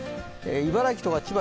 茨城とか千葉